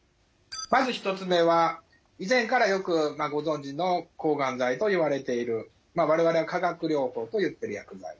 まず１つ目は以前からよくご存じの抗がん剤といわれている我々が化学療法といってる薬剤。